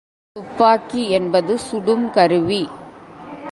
துப்பாக்கி என்பது சுடும் கருவி.